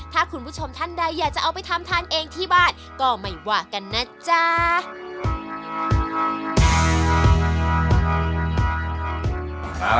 ถ้าคุณผู้ชมท่านใดอยากจะเอาไปทำทานเองที่บ้านก็ไม่ว่ากันนะจ๊ะ